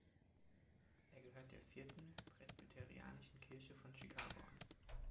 Er gehört der Vierten Presbyterianischen Kirche von Chicago an.